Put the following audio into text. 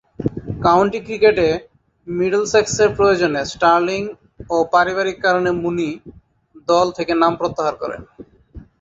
County ক্রিকেটে মিডলসেক্সের প্রয়োজনে স্টার্লিং ও পারিবারিক কারণে মুনি দল থেকে নাম প্রত্যাহার করেন।